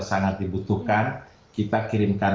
sangat dibutuhkan kita kirimkan